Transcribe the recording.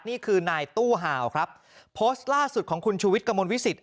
นี่คือนายตู้ห่าวครับโพสต์ล่าสุดของคุณชูวิทย์กระมวลวิสิต